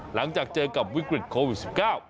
หลังจากเจอกับวิกฤตโควิด๑๙